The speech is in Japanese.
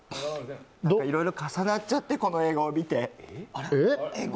いろいろ重なっちゃって、この映画を見て。